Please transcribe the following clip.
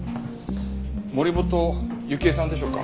森本雪絵さんでしょうか？